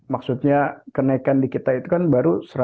maksudnya kenaikan di kita itu kan baru satu ratus dua puluh